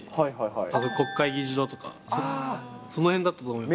あと国会議事堂とか、その辺だったと思います。